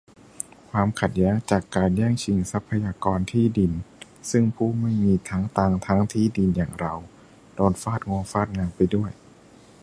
ความขัดแย้งจากการแย่งชิงทรัพยากร-ที่ดิน ซึ่งผู้ไม่มีทั้งตังค์ทั้งที่ดินอย่างเรา โดนฟาดงวงฟาดงาไปด้วย